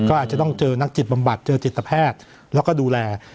ก็อาจจะต้องเจอนักจิตบำบัดเจอจิตแพทย์แล้วก็ดูแล